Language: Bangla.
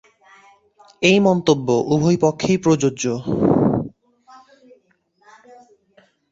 এই মন্তব্য উভয় পক্ষেই প্রযোজ্য।